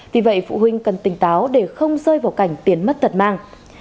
vì vậy phụ huynh cần tỉnh táo để không rơi vào cảnh tiền mất tật mang